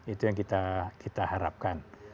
itu yang kita harapkan